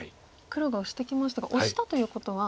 黒がオシてきましたがオシたということは。